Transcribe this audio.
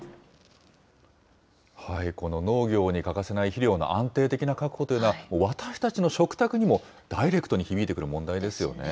この農業に欠かせない肥料の安定的な確保というのは、私たちの食卓にもダイレクトに響いてくる問題ですよね。